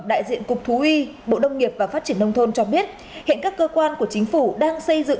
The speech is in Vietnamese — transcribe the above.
đại diện cục thú y bộ đông nghiệp và phát triển nông thôn cho biết hiện các cơ quan của chính phủ đang xây dựng